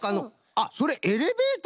あっそれエレベーター！？